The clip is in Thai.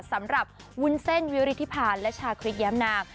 สำหรับวุ้นเซ่นวิวริธิพานและชาคริสแย้มนาง